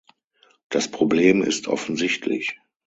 Das Problem ist offensichtlich.